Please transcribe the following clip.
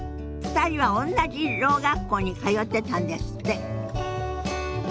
２人はおんなじろう学校に通ってたんですって。